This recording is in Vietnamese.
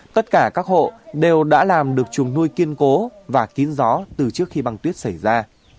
tất cả các hộ đều đã làm được chuồng nuôi kiên cố và kín gió từ trước khi băng tuyết xảy ra